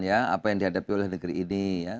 apa yang dihadapi oleh negeri ini